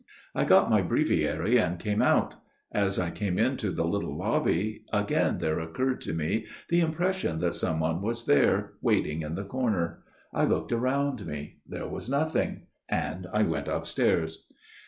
" I got my breviary and came out. As I came into the little lobby, again there occurred to me the impression that some one was there, waiting in the corner. I looked round me ; there was nothing ; and I went upstairs.